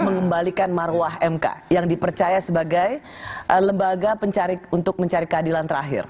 mengembalikan marwah mk yang dipercaya sebagai lembaga pencari untuk mencari keadilan terakhir